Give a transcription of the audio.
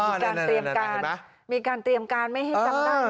อ่าน่าน่าน่าน่าเห็นไหมมีการเตรียมการไม่ให้ตั้งตั้ง